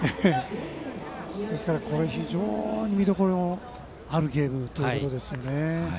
ですから、非常に見どころあるゲームということですよね。